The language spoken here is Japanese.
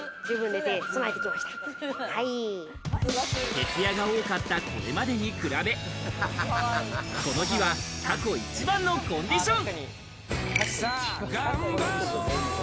徹夜が多かったこれまでに比べ、この日は過去一番のコンディション。